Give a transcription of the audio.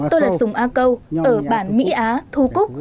tôi là sùng a câu ở bản mỹ á thu cúc